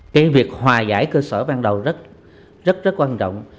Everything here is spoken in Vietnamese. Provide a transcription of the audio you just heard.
cái việc hòa giải cơ sở ban đầu rất rất quan trọng